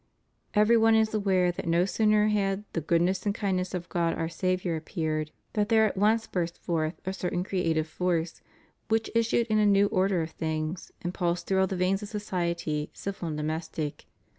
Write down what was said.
'^ Every one is aware that no sooner had the goodness and kindness of God our Saviour appeared ' than there at once burst forth a certain creative force which issued in a new order of things and pulsed through all the veins of society, civil and domestic.